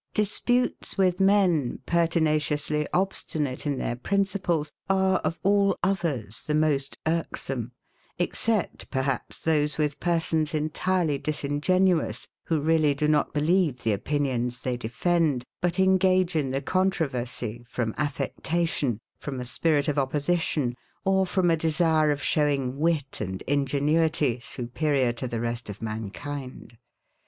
DISPUTES with men, pertinaciously obstinate in their principles, are, of all others, the most irksome; except, perhaps, those with persons, entirely disingenuous, who really do not believe the opinions they defend, but engage in the controversy, from affectation, from a spirit of opposition, or from a desire of showing wit and ingenuity, superior to the rest of mankind.